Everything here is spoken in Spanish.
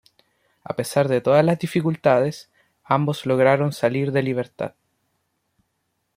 A pesar de todas las dificultades, ambos lograron salir de libertad.